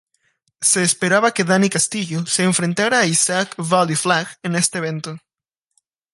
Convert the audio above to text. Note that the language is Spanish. Se esperaba que Danny Castillo se enfrentara a Isaac Vallie-Flagg en este evento.